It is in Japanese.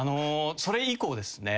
それ以降ですね